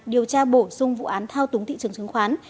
điều tra bổ sung vụ án thao túng thị trường chứng khoán